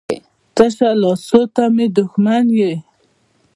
تشه لاسو ته مې دښمن یې.